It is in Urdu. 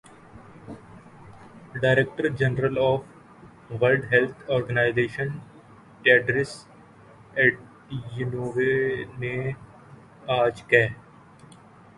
director general of world health organization Tedros Adhanom نے آج کہ